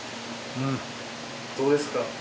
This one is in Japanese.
どうですか？